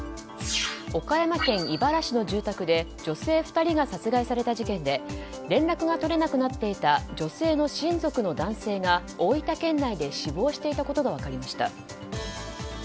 岡山県井原市の住宅で女性２人が殺害された事件で連絡が取れなくなっていた女性の親族の男性が大分県内で死亡していたことが分かりました。